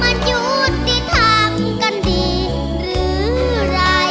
มันยุ่นที่ทำกันดีหรือไร